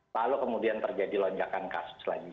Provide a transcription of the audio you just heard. lalu kemudian terjadi lonjakan kasus lagi